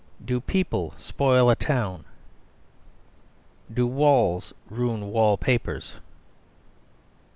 "Do People Spoil a Town?" "Do Walls Ruin Wall papers?"